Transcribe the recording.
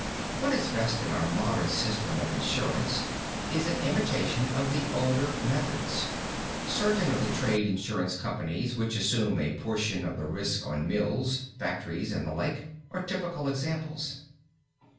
What is best in our modern system of insurance is an imitation of the older methods. Certain of the trade insurance companies which assume a portion of the risk on mills, factories and the like, are typical examples.